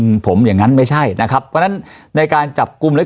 อืมผมอย่างงั้นไม่ใช่นะครับเพราะฉะนั้นในการจับกลุ่มหรือ